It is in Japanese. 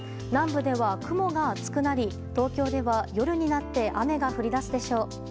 南部では雲が厚くなり、東京では夜になって雨が降り出すでしょう。